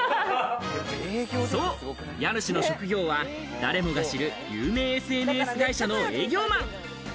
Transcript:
そう、家主の職業は、誰もが知る、有名ＳＮＳ会社の営業マン。